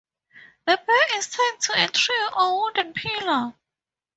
The bear is tied to a tree or wooden pillar.